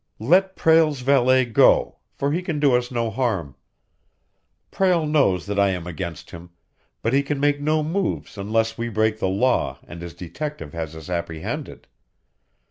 "Let Prale's valet go, for he can do us no harm. Prale knows that I am against him, but he can make no move unless we break the law and his detective has us apprehended.